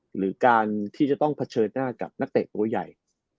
หรือการที่จะต้องเผชิญหน้ากับนักเตะตัวใหญ่